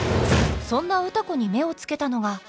そんな歌子に目をつけたのが。